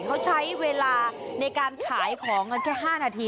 เขาใช้เวลาในการขายของกันแค่๕นาที